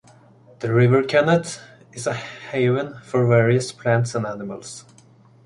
The River Kennet is a haven for various plants and animals.